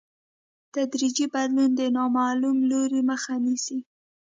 تدریجي بدلون د نامعلوم لوري مخه نیسي.